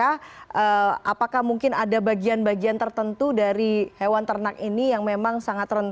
apakah mungkin ada bagian bagian tertentu dari daging yang kemudian atau hewan ternak yang kemudian terinfeksi begitu ya pmk